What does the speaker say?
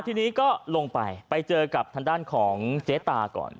ทีนี้ก็ลงไปไปเจอกับทางด้านของเจ๊ตาก่อน